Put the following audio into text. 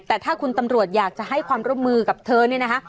แต่ถ้าคุณตำรวจอยากจะให้ความร่วมมือกับเธอเนี่ยนะคะ